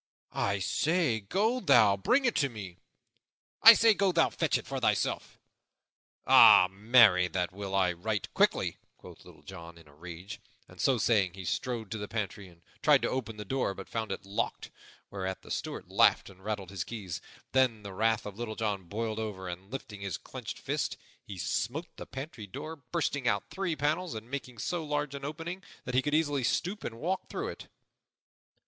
"I say, go thou, bring it me!" "I say, go thou, fetch it for thyself!" "Ay, marry, that will I, right quickly!" quoth Little John in a rage. And, so saying, he strode to the pantry and tried to open the door but found it locked, whereat the Steward laughed and rattled his keys. Then the wrath of Little John boiled over, and, lifting his clenched fist, he smote the pantry door, bursting out three panels and making so large an opening that he could easily stoop and walk through it.